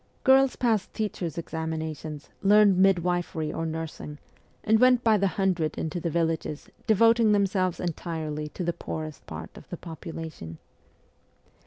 Girls passed teachers' examinations, learned midwifery *or nursing, and went by the hundred into the villages, devoting themselves entirely to the poorest part of the population.